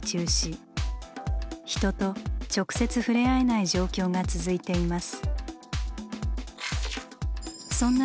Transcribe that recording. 人と直接触れ合えない状況が続いています。